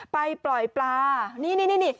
ไปปล่อยปลานี่